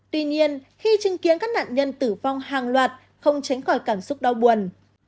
tuy nhiên khi chứng kiến các nạn nhân tử vong hàng loạt không tránh khỏi cảm xúc đau buồn